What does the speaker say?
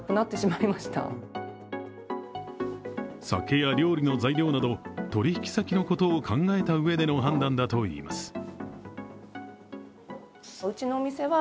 酒や料理の材料など取り引き先のことを考えたうえでの判断だといいます。